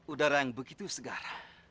udara yang begitu segar